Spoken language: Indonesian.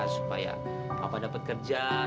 supaya papa dapat kerja